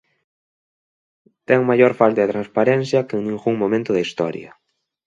Ten maior falta de transparencia que en ningún momento da historia.